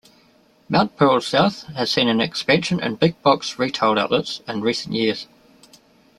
Mount Pearl South has seen an expansion in big-box retail outlets in recent years.